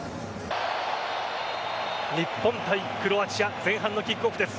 日本対クロアチア前半のキックオフです。